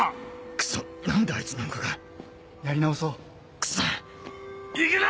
クソっ何であいつなんかがやり直そうクソっ！行くな！